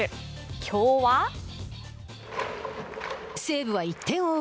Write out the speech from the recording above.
きょうは西武は１点を追う